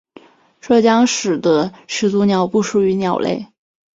这将使得始祖鸟不属于鸟类。